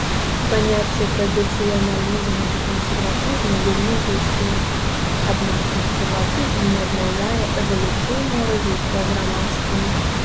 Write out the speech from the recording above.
Паняцці традыцыяналізму і кансерватызму вельмі блізкія, аднак кансерватызм не адмаўляе эвалюцыйнае развіццё грамадства.